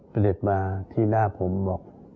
เสด็จมาที่หน้าผมบอก